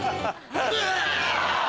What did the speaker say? うわ！